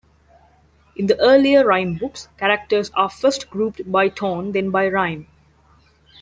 In the earlier rime books, characters are first grouped by tone, then by rime.